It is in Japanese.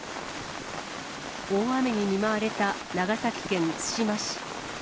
大雨に見舞われた長崎県対馬市。